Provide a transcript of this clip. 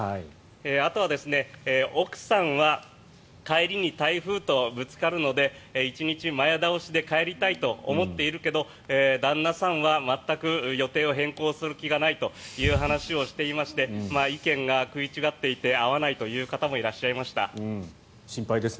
あとは奥さんは帰りに台風とぶつかるので１日前倒しで帰りたいと思っているけど旦那さんは全く予定を変更する気がないという話をしていまして意見が食い違っていて合わないという方もいらっしゃいました。